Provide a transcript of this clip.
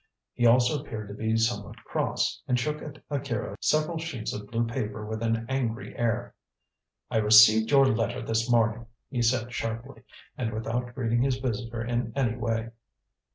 He also appeared to be somewhat cross, and shook at Akira several sheets of blue paper with an angry air. "I received your letter this morning," he said sharply, and without greeting his visitor in any way.